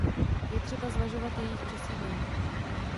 Je třeba zvažovat jejich přesídlení.